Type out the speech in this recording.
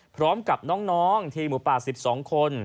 พร้อมกับน้องทีมหมูป่า๑๒คน